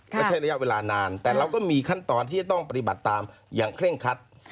แต่เราก็มีขั้นตอนที่จะต้องปฏิบัติตามอย่างเคร่งคัด